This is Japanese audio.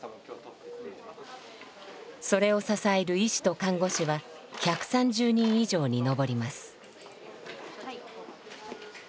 それを支える医師と看護師は１３０人以上に上ります。